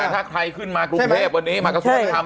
ถ้าใครขึ้นมากรุงเทพวันนี้มากระทรวงธรรม